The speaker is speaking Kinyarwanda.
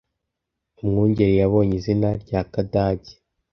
Umwungeri yabonye izina rya Kadage